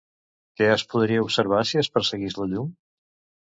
Què es podria observar si es perseguís la llum?